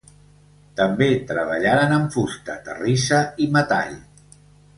També treballaren amb fusta, terrissa i metall.